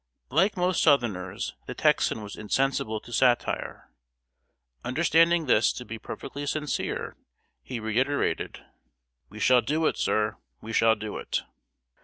Like most Southerners, the Texan was insensible to satire. Understanding this to be perfectly sincere, he reiterated: "We shall do it, sir! We shall do it!"